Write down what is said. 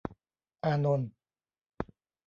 อานนท์